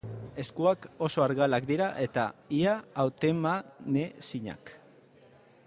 Eskuak oso argalak dira eta ia hautemanezinak.